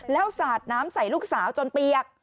แล้วสาดน้ำใส่ลูกสาวจนเปียก